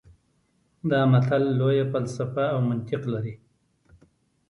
دا متل لویه فلسفه او منطق لري